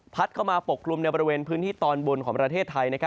เข้ามาปกกลุ่มในบริเวณพื้นที่ตอนบนของประเทศไทย